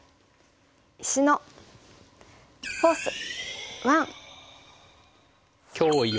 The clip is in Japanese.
「石のフォース１」。